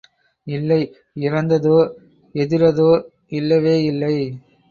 இல்லை இறந்ததோ எதிரதோ இல்லவேயில்லை.